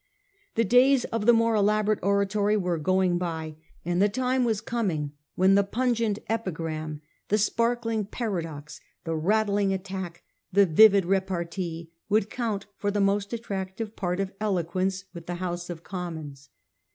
The days of the more elaborate oratory were going by, and the time was coming when the pungent epigram, the sparkling paradox, the rattling attack, the vivid repartee, would count for the most attractive part of eloquence with the House of Commons.